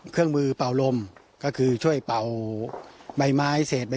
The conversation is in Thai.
เครื่องมือเป่าลมก็คือช่วยเป่าใบไม้เศษใบ